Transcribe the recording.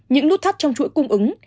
những nút thắt trong chuỗi cung ứng